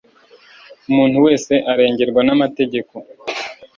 umuntu wese arengerwa n'amategeko